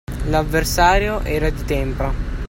L’avversario era di tempra.